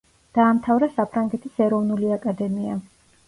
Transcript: დაამთავრა საფრანგეთის ეროვნული აკადემია.